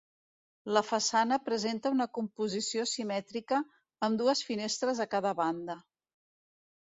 La façana presenta una composició simètrica, amb dues finestres a cada banda.